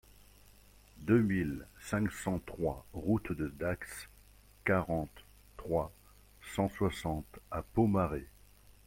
deux mille cinq cent trois route de Dax, quarante, trois cent soixante à Pomarez